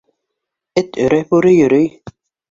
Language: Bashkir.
Эт өрә, бүре йөрөй...